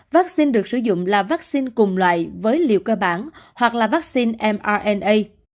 vaccine được sử dụng là vaccine cùng loại với liều cơ bản hoặc là vaccine mrna